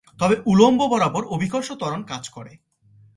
তবে উলম্ব বরাবর অভিকর্ষ ত্বরণ কাজ করে।